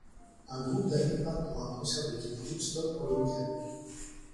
Un groupe d'amis partent pour un concert de type Woodstock pour le week-end.